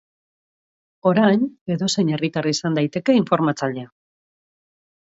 Orain, edozein herritar izan daiteke informatzailea.